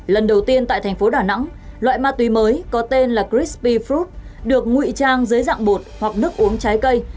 lần đầu tiên tại thành phố đà nẵng loại ma túy mới có tên là christpee froop được ngụy trang dưới dạng bột hoặc nước uống trái cây